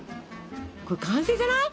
これ完成じゃない？